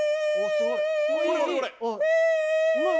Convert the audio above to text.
すごい。